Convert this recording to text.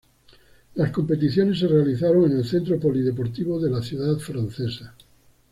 Las competiciones se realizaron en el Centro Polideportivo de la ciudad francesa.